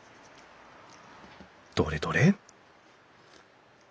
どれどれ？